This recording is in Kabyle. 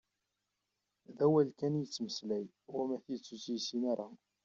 D awal kan i yettmeslay, wama tidet u tt-yessin ara.